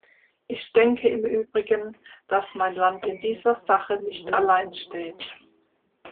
Ich denke im übrigen, dass mein Land in dieser Sache nicht allein steht.